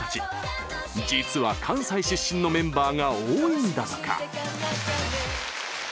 実は関西出身のメンバーが多いんだとか。